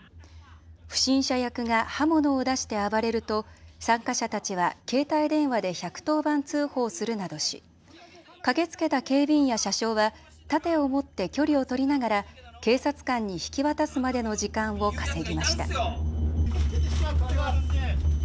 不審者役が刃物を出して暴れると参加者たちは携帯電話で１１０番通報するなどし駆けつけた警備員や車掌は盾を持って距離を取りながら警察官に引き渡すまでの時間を稼ぎました。